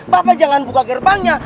bapak jangan buka gerbangnya